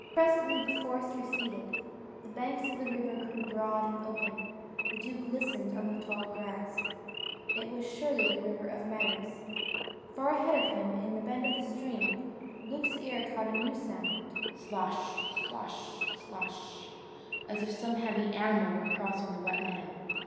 Presently the forest receded: the banks of the river grew broad and open; the dew glistened on the tall grass; it was surely the River of Meadows. Far ahead of him in a bend of the stream, Luke's ear caught a new sound: SLOSH, SLOSH, SLOSH, as if some heavy animal were crossing the wet meadow.